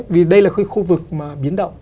vì đây là khu vực mà biến động